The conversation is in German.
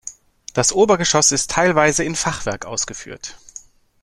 Das Obergeschoss ist teilweise in Fachwerk ausgeführt.